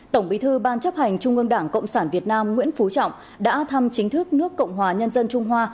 tổng bí thư ban chấp hành trung ương đảng cộng sản việt nam nguyễn phú trọng đã thăm chính thức nước cộng hòa nhân dân trung hoa